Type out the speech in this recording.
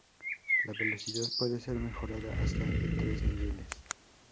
La velocidad puede ser mejorada hasta en tres niveles.